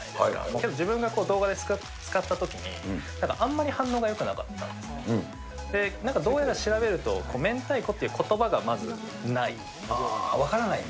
けど自分が動画で使ったときに、なんかあんまり反応がよくなかったんですね、なんかどうやら調べると、分からないんだ。